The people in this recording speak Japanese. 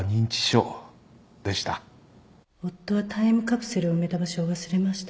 夫はタイムカプセルを埋めた場所を忘れました